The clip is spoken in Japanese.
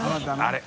あれ？